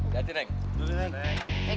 dulu deh neng